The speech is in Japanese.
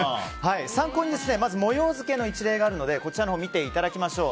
参考にまず模様付けの一例があるのでこちらのほうを見ていただきましょう。